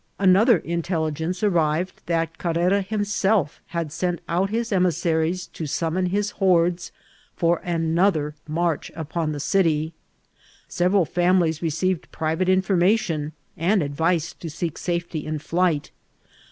Again intelligence arrived that Carrera himself had sent out his emissaries to summon his hordes for another march upon the city. Several families received pri vate information and advice to seek safety in flight.